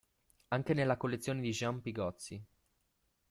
Anche nella collezione di Jean Pigozzi.